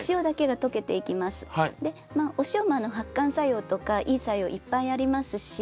お塩も発汗作用とかいい作用いっぱいありますし